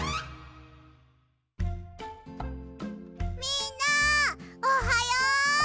みんなおはよう！